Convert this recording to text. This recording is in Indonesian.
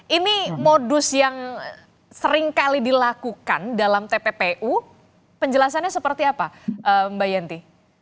ini modus yang seringkali dilakukan dalam tppu penjelasannya seperti apa mbak yenti